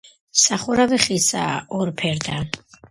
სახურავი ხისაა, ორფერდა.